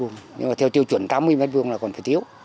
nhưng mà theo tiêu chuẩn tám mươi m hai là còn phải thiếu